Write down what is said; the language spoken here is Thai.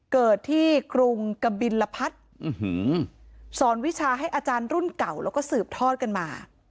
เกิดที่กรุงกบิลพัฒน์สอนวิชาให้อาจารย์รุ่นเก่าแล้วก็สืบทอดกันมา